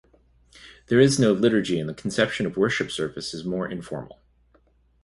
There is no liturgy and the conception of worship service is more informal.